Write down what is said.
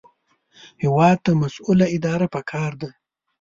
هېواد ته مسؤله اداره پکار ده